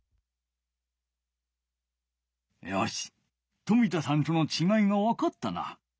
よし冨田さんとのちがいがわかったな。